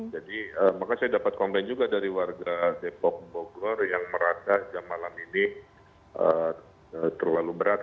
jadi maka saya dapat komplain juga dari warga depok bogor yang merasa jam malam ini terlalu berat